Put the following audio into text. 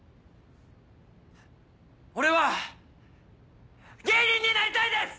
俺は芸人になりたいです！